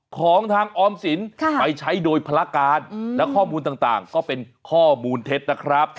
ของทางออมสินไปใช้โดยภารการและข้อมูลต่างก็เป็นข้อมูลเท็จนะครับ